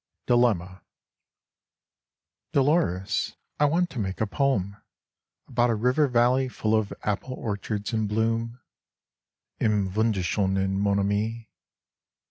68 DILEMMA Dolores, I want to make a poem About a river valley full of apple orchards in bloom, Im wunderschonen Monat Mai!